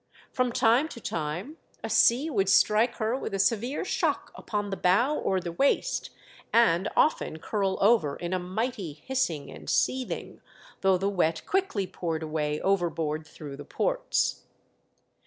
From time to time a sea would strike her with a severe shock upon no THE DEATH SHIP. the bow or the waist, and often curl over in a mighty hissing and seething, though the wet quickly poured away overboard through the ports.